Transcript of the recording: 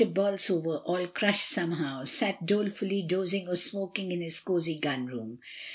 Bolsover, all crushed some how, sat dolefully dozing or smoking in his cosy gun room.